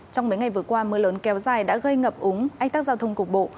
trong mấy ngày vừa qua mưa lớn kéo dài đã gây ngập úng ách tắc giao thông cục bộ